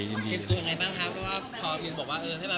เตรียมตัวยังไงบ้างครับเพราะว่าพี่บอกว่าให้มาเป็นผู้เจ้าสาว